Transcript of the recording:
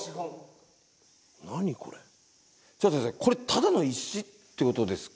これただの石ってことですか？